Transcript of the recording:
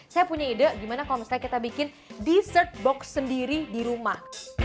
saya punya ide gimana kalau misalnya kita bikin dessert box sendiri di rumah